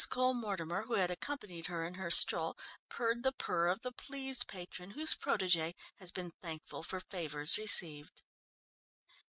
Cole Mortimer, who had accompanied her in her stroll, purred the purr of the pleased patron whose protégée has been thankful for favours received.